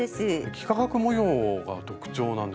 幾何学模様が特徴なんですよね。